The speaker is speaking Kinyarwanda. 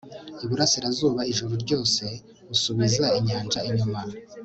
iburasirazuba ijoro ryose usubiza inyanja inyuma